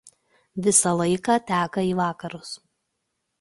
Visą laiką teka į vakarus.